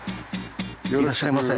いらっしゃいませ。